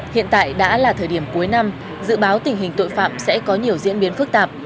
hiện tại đã là thời điểm cuối năm dự báo tình hình tội phạm sẽ có nhiều diễn biến phức tạp